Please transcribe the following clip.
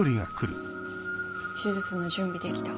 手術の準備できた。